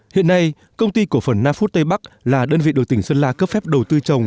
hiện nay công ty cổ phần nafut tây bắc là đơn vị được tỉnh sơn la cấp phép đầu tư trồng